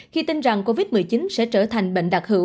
khi tin rằng covid một mươi chín sẽ trở lại